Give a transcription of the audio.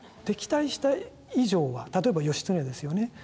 敵対した以上は例えば義経ですよね。